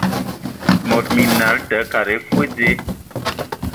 Mod minal, tə kad e foe dzie.